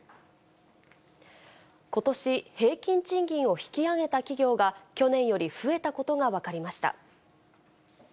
ことし、平均賃金を引き上げた企業が、去年より増えたことが分かりました。